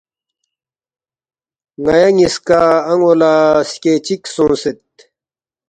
ن٘یا نِ٘یسکا ان٘و لہ سکے چِک سونگسید